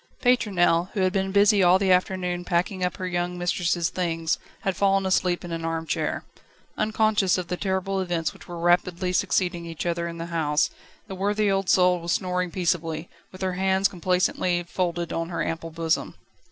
Pétronelle, who had been busy all the afternoon packing up her young mistress' things, had fallen asleep in an arm chair. Unconscious of the terrible events which were rapidly succeeding each other in the house, the worthy old soul was snoring peaceably, with her hands complacently folded on her ample bosom.